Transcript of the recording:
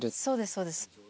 そうですそうです。